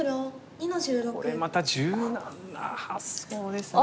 これまた柔軟な発想ですね。